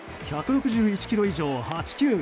１６１キロ以上を８球。